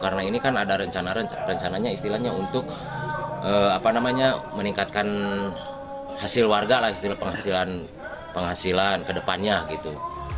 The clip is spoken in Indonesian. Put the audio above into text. karena ini kan ada rencana rencana istilahnya untuk apa namanya meningkatkan hasil warga lah istilah penghasilan penghasilan kedepannya gitu